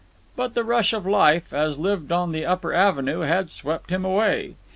But the rush of life, as lived on the upper avenue, had swept him away.